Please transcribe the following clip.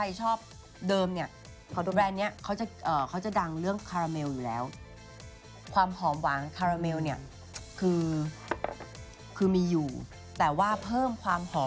รสชีสเค้าก็เด็ดมาก